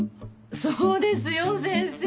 そうですよ先生。